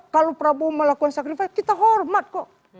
kalau prabowo melakukan penyembah kita hormati kok